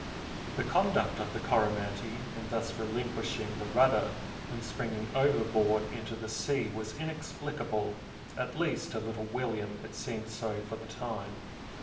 The conduct of the Coromantee in thus relinquishing the rudder and springing overboard into the sea was inexplicable, at least, to little William it seemed so for the time.